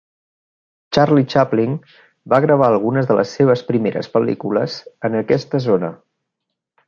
Charlie Chaplin va gravar algunes de les seves primeres pel·lícules en aquesta zona.